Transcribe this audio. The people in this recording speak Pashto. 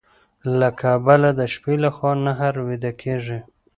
له کبله د شپې لخوا نهر ويده کيږي.